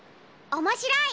おもしろい。